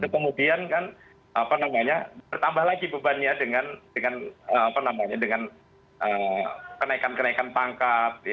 kemudian kan bertambah lagi bebannya dengan kenaikan kenaikan pangkat